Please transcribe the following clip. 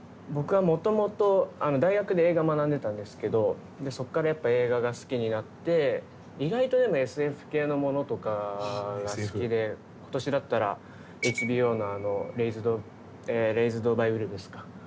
僕はもともと大学で映画学んでたんですけどそこからやっぱり映画が好きになって意外とでもＳＦ系のものとかが好きで今年だったらＨＢＯの「レイズド・バイ・ウルブス」か。